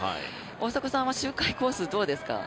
大迫さんは周回コースどうですか？